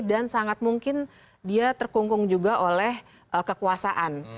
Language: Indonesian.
dan sangat mungkin dia terkungkung juga oleh kekuasaan